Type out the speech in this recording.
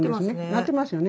なってますよね。